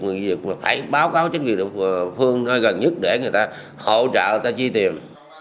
người kia giật phải báo cáo cho chính quyền địa phương gần nhất để người ta hỗ trợ người ta chi tiền